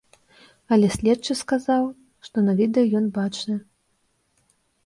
Але следчы сказаў, што на відэа ён бачны.